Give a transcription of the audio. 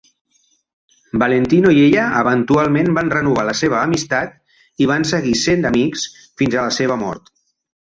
Valentino i ella eventualment van renovar la seva amistat, i van seguir sent amics fins a la seva mort.